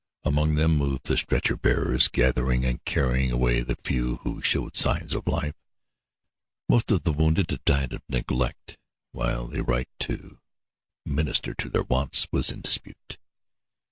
Among them moved the stretcher bearers, gathering and carrying away the few who showed signs of life. Most of the wounded had died of neglect while the right to minister to their wants was in dispute.